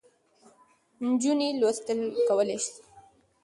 نجونې لوستل کولای سي.